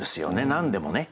何でもね。